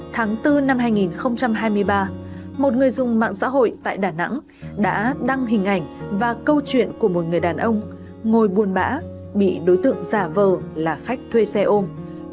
tháng bốn năm hai nghìn hai mươi ba một người dùng mạng xã hội tại đà nẵng đã đăng hình ảnh và câu chuyện của một người đàn ông ngồi buồn bã bị đối tượng giả vờ là khách thuê xe ôm